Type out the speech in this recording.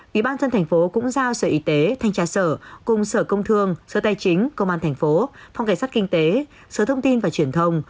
ủy ban nhân dân tp hcm cũng giao sở y tế thanh tra sở cùng sở công thương sở tài chính công an thành phố phòng kẻ sát kinh tế sở thông tin và truyền thông